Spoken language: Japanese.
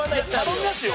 頼みますよ